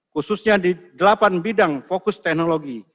khususnya di delapan bidang fokus teknologi